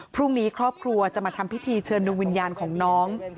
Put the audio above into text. พรุ่งนี้ครอบครัวจะมาทำพิธีเชิญดวงวิญญาณของน้อง